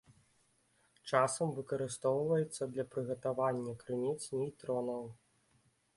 Часам выкарыстоўваецца для прыгатавання крыніц нейтронаў.